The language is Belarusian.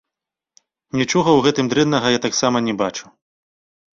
Нічога ў гэтым дрэннага я таксама не бачу.